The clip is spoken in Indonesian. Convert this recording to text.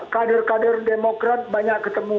kader kader demokrat banyak ketemu